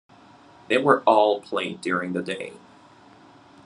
They were all played during the day.